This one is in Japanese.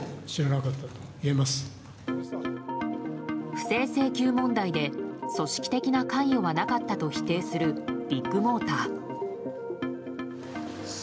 不正請求問題で組織的な関与はなかったと否定するビッグモーター。